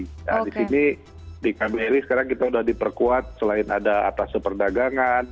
nah di sini di kbri sekarang kita sudah diperkuat selain ada atasnya perdagangan